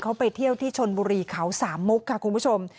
เขาไปเที่ยวที่ชนบุรีเขาสามมุกค่ะคุณผู้ชม